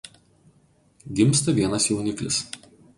Gimsta vienas jauniklis.